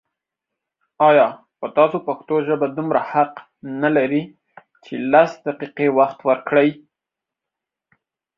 آيا په تاسو پښتو ژبه دومره حق نه لري چې لس دقيقې وخت ورکړئ